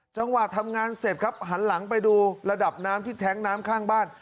ทำงานเสร็จครับหันหลังไปดูระดับน้ำที่แท้งน้ำข้างบ้าน